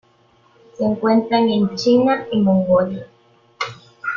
Se encuentran en China y Mongolia.